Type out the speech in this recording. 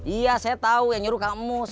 iya saya tahu yang nyuruh kang mus